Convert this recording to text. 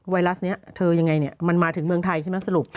ไวรัสนี้เธอยังไงมันมาถึงเมืองไทยใช่ไหมสรุป